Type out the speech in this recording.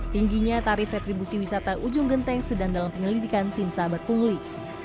tingginya tarif retribusi wisata ujung genteng sedang dalam penyelidikan tim sahabat pungli